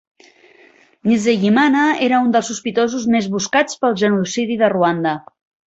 Nizeyimana era un dels sospitosos més buscats pel genocidi de Rwanda.